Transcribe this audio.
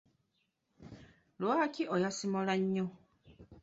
Lwaki oyasimula nnyo?